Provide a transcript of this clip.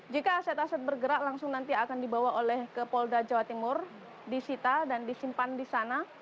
jika aset aset bergerak langsung nanti akan dibawa oleh ke polda jawa timur disita dan disimpan di sana